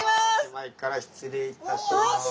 前から失礼いたします。